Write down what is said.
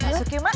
masuk yuk mak